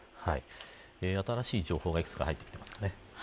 新しい情報がいくつか入ってきています。